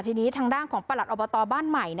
ทีนี้ทางด้านของประหลัดอบตบ้านใหม่